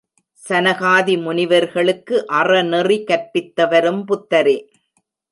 சனகாதி முனிவர்களுக்கு அறநெறி கற்பித்தவரும் புத்தரே.